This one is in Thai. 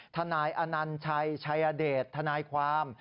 นายอนัญชัยชัยเดชทนายความ